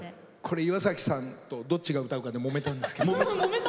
岩崎さんとどっちが歌うかでもめたんですけど。